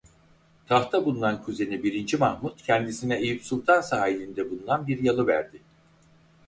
Tahtta bulunan kuzeni birinci Mahmud kendisine Eyüpsultan sahilinde bulunan bir yalı verdi.